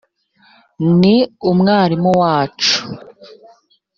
ni umwami wacu.